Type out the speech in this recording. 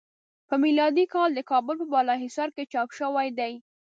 په میلادی کال د کابل په بالا حصار کې چاپ شوی دی.